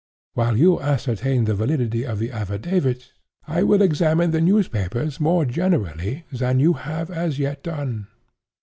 While you ascertain the validity of the affidavits, I will examine the newspapers more generally than you have as yet done.